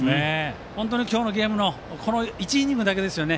今日のゲームの１イニングだけですよね